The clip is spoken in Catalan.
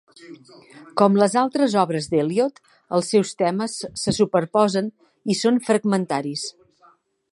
Com les altres obres d'Eliot, els seus temes se superposen i són fragmentaris.